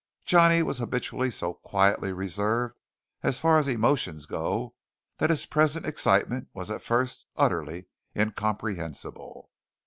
Johnny was habitually so quietly reserved as far as emotions go that his present excitement was at first utterly incomprehensible.